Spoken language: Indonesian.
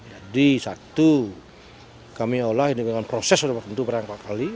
jadi satu kami olah ini dengan proses sudah tentu berangkat kali